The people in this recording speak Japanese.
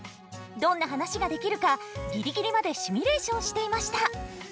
どんな話ができるかギリギリまでシミュレーションしていました。